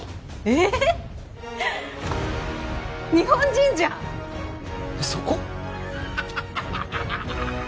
えっ日本人じゃんそこ？